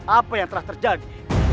apa yang telah terjadi